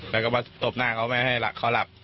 แล้วก็มาตบหน้าเขาไม่ให้เขาหลับ